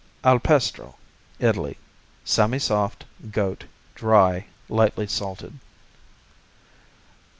Alpestro Italy Semisoft; goat; dry; lightly salted.